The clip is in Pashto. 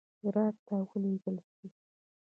هرات ته ولېږل سي.